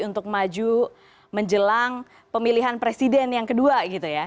untuk maju menjelang pemilihan presiden yang kedua gitu ya